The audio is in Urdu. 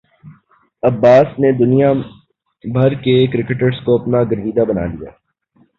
عباس نے دنیا بھر کے کرکٹرز کو اپنا گرویدہ بنا لیا